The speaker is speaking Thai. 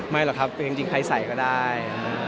หรอกครับจริงใครใส่ก็ได้